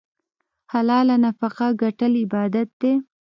حلاله نفقه ګټل عبادت دی.